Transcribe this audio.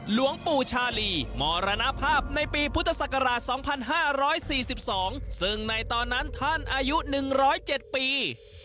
หลวงปู่ชาลีมรณภาพในปีพุทธศักราช๒๕๔๒ซึ่งในตอนนั้นท่านอายุ๑๐๗ปี